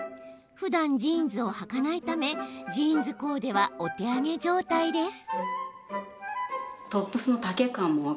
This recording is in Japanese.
ふだんジーンズをはかないためジーンズコーデはお手上げ状態です。